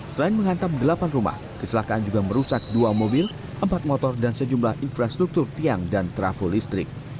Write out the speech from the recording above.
selain menghantam delapan rumah keselakaan juga merusak dua mobil empat motor dan sejumlah infrastruktur tiang dan trafo listrik